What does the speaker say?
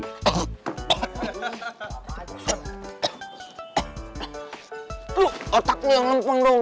lo otak lo yang lempeng dong